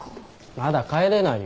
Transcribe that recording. まだ帰れないよ。